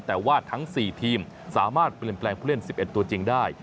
แต่ว่าทั้ง๔ทีมสามารถเปลี่ยนแปลงผู้เล่น๑๑ตัวจริงได้